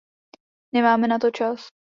Nemáme na to čas.